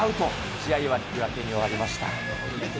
試合は引き分けに終わりました。